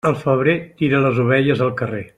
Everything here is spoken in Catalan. El febrer tira les ovelles al carrer.